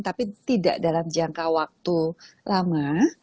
tapi tidak dalam jangka waktu lama